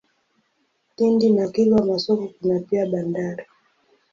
Lindi na Kilwa Masoko kuna pia bandari.